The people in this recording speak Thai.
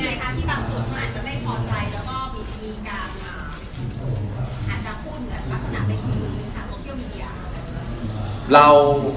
และก็มีการอาจจะพูดเหมือนลักษณะเป็นชีวิตค่ะ